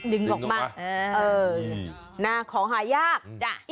ดึงออกมาเออน่าของหายาก